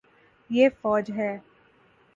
یے فوج ہے